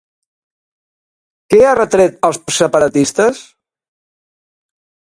Què ha retret als separatistes?